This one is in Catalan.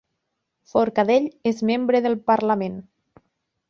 Forcadell és membre del parlament